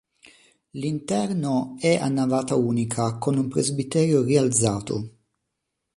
L'interno è a navata unica con un presbiterio rialzato.